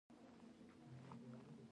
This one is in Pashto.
د اروپا په ځینو برخو کې د ترسره شوې سروې